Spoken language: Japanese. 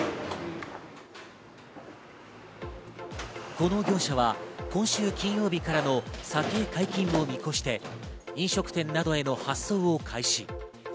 この業者は今週金曜日からの酒解禁を見越して、飲食店などへの発送を開始。